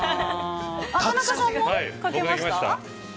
◆田中さんも書けました？